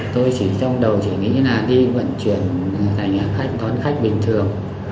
tôi trong đầu chỉ nghĩ là đi vận chuyển thành khách toán khách bình thường